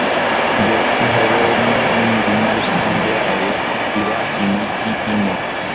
betihoroni n'imirima rusange yayo: iba imigi ine